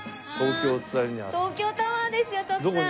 あ東京タワーですよ徳さん。